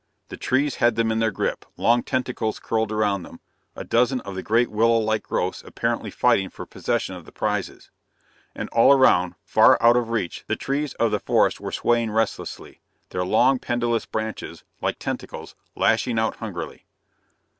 The trees had them in their grip, long tentacles curled around them, a dozen of the great willow like growths apparently fighting for possession of the prizes. And all around, far out of reach, the trees of the forest were swaying restlessly, their long, pendulous branches, like tentacles, lashing out hungrily.